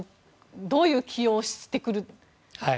どういう起用をしてくる。